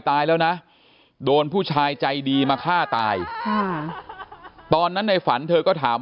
ตายแล้วนะโดนผู้ชายใจดีมาฆ่าตายค่ะตอนนั้นในฝันเธอก็ถาม